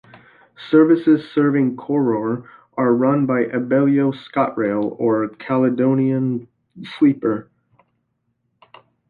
Services serving Corrour are run by Abellio ScotRail or Caledonian Sleeper.